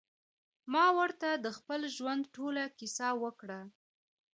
ما ورته د خپل ژوند ټوله کيسه وکړه.